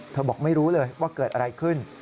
บอกไม่รู้เลยว่าเกิดอะไรขึ้น